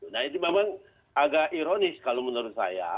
nah itu memang agak ironis kalau menurut saya